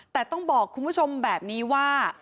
แต่ต้องบอกคุณผู้ชมแบบนี้ว่า